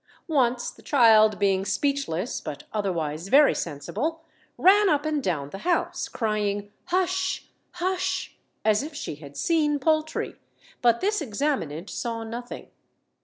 Once the child, being speechless, but otherwise very sensible, ran up and down the house, crying, 'Hush! hush!' as if she had seen poultry; but this examinant saw nothing.